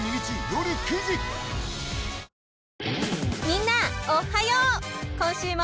［みんなおっはよー！］